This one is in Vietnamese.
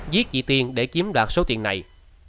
giết chị tiên để kiếm đoạt số tiền này